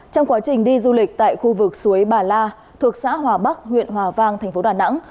trong quá trình đi du lịch tại khu vực suối bà la thuộc xã hòa bắc huyện hòa vang thành phố đà nẵng